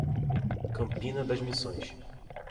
Campina das Missões